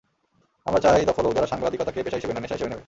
আমরা চাই দক্ষ লোক, যারা সাংবাদিকতাকে পেশা হিসেবে নয়, নেশা হিসেবে নেবে।